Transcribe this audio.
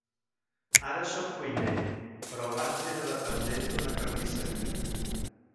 Ara sóc cuiner, però abans era dependent d'una carnisseria.